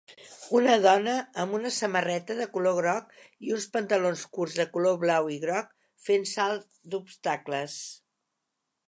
Una dona amb una samarreta de color groc i uns pantalons curts de color blau i groc fent salt d"obstacles.